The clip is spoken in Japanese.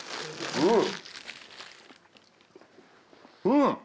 うん！